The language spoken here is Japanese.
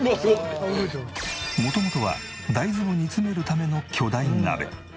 元々は大豆を煮詰めるための巨大鍋。